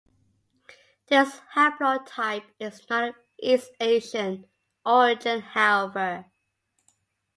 This haplotype is not of East Asian origin however.